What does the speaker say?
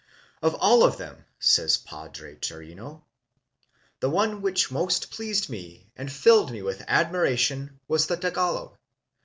"Of all of them," says Padre Chirino, "the one which most pleased me and filled me with admiration was the Tagalog.